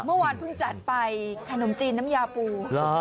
เมื่อวานเพิ่งจัดไปขนมจีนน้ำยาปู